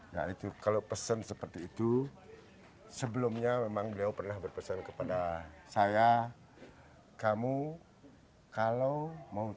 nah itu kalau pesan seperti itu sebelumnya memang beliau pernah berpesan kepada saya kamu kalau mau